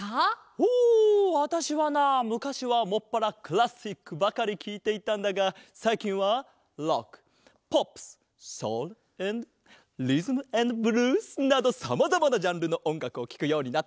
ほわたしはなむかしはもっぱらクラシックばかりきいていたんだがさいきんはロックポップスソウルアンドリズム・アンド・ブルースなどさまざまなジャンルのおんがくをきくようになったぞ。